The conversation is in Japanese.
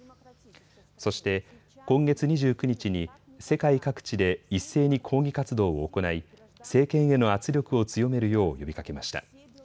そして今月２９日に世界各地で一斉に抗議活動を行い、政権への圧力を強めるよう呼びかけました。